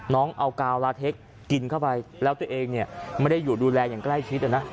น้องเอากาวลาเทคกินเข้าไปแล้วตัวเองเนี่ยไม่ได้อยู่ดูแลอย่างใกล้ชิดนะ